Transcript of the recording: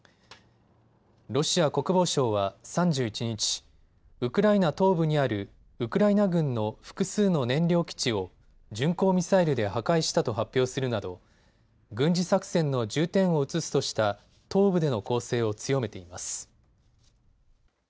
ロシア国防省は３１日、ウクライナ東部にあるウクライナ軍の複数の燃料基地を巡航ミサイルで破壊したと発表するなど軍事作戦の重点を移すとした東部での攻勢を強めています。